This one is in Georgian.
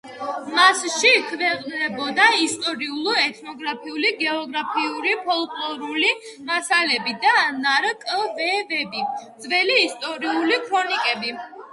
მასში ქვეყნდებოდა ისტორიულ-ეთნოგრაფიული გეოგრაფიული, ფოლკლორული მასალები და ნარკვევები, ძველი ისტორიული ქრონიკები.